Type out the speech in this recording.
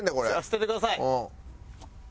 捨ててください！